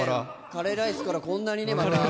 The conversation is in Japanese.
カレーライスからこんなにね。